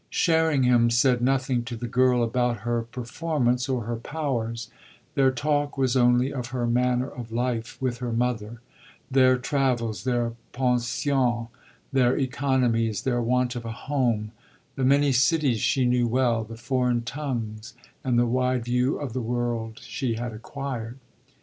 Sherringham said nothing to the girl about her performance or her powers; their talk was only of her manner of life with her mother their travels, their pensions, their economies, their want of a home, the many cities she knew well, the foreign tongues and the wide view of the world she had acquired.